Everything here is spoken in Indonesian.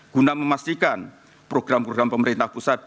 guna memastikan program program pemerintah pusat